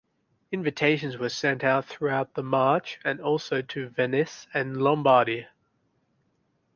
Invitations were sent throughout the March and also to Venice and Lombardy.